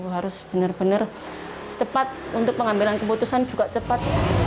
harus benar benar cepat untuk pengambilan keputusan juga cepat